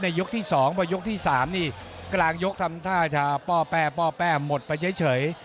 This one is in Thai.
ยกที่๒พอยกที่๓นี่กลางยกทำท่าจะป้อแป้ป้อแป้หมดไปเฉย